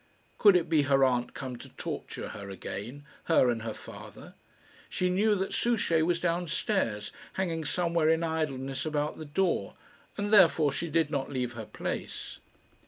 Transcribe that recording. Could it be her aunt come to torture her again her and her father? She knew that Souchey was down stairs, hanging somewhere in idleness about the door, and therefore she did not leave her place.